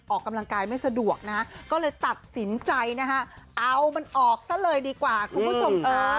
ออกกำลังกายไม่สะดวกนะฮะก็เลยตัดสินใจนะฮะเอามันออกซะเลยดีกว่าคุณผู้ชมค่ะ